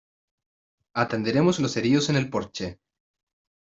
Atenderemos los heridos en el porche.